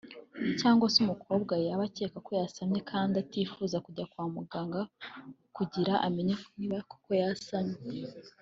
cyangwa se umukobwa yaba akeka ko yasamye kandi atifuza kujya kwa muganga kugira amenye niba koko yasamye